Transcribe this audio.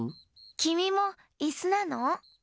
きみもいすなの？